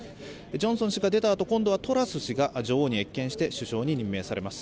ジョンソン氏が出たあと今度はとらすしが女王に謁見して首相に任命されます。